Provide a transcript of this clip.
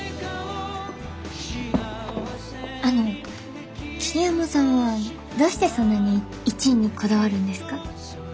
あの桐山さんはどうしてそんなに１位にこだわるんですか？